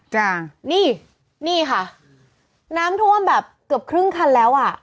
จ้ะนี่นี่ค่ะน้ำท่วมแบบเกือบครึ่งคันแล้วอ่ะ